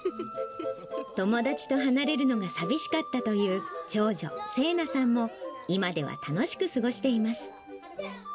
友達と離れるのが寂しかったという長女、せいなさんも、今では楽しく過ごしています。